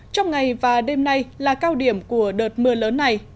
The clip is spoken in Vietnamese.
trong ngày và đêm nay là cao điểm của đợt mưa lớn này